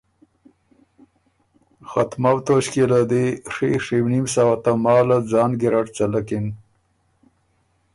ختمؤ توݭکيې له دی ڒی ڒیونیم سوه تماله ځان ګیرډ څلکِن۔